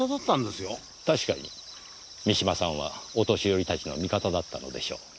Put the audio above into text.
確かに三島さんはお年寄り達の味方だったのでしょう。